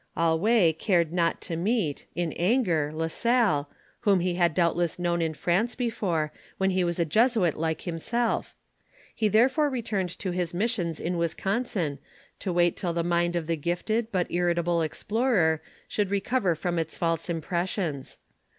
Allouez cared not to meet, in anger, La Salle, whom he had doubt less known in France before, when he was a Jesuit like himself; he therefore re turned to his missions in Wisconsin to wait till the mind of the gifted but irri table explorer should recover from its false impressions.